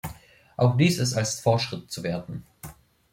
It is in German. Auch dies ist als Fortschritt zu werten.